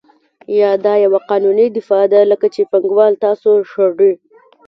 یا دا یوه قانوني دفاع ده کله چې پانګوال تاسو شړي